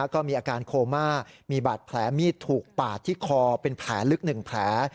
ก็มีอาการโคม่ามีบาดแผลมีดถูกปาดที่คอเป็นแผลลึก๑แผล